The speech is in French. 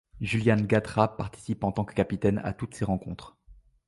Juliane Gathrat participe en tant que capitaine à toutes ces rencontres.